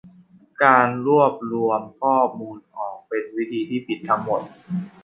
'การรวบรวมข้อมูลออก' เป็นวิธีที่ผิดทั้งหมด